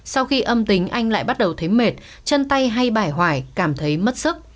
sau khi âm tính anh lại bắt đầu thấy mệt chân tay hay bải hoải cảm thấy mất sức